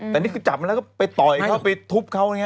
แต่นี่คือจับมาแล้วก็ไปต่อยเข้าไปทุบเขาอย่างนี้